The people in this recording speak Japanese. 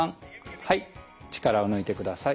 はい力を抜いてください。